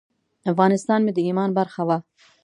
افغانستان مې د ایمان برخه وه.